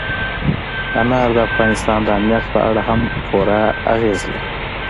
انار د افغانستان د امنیت په اړه هم پوره اغېز لري.